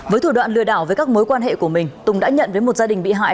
với thủ đoạn lừa đảo với các mối quan hệ của mình tùng đã nhận với một gia đình bị hại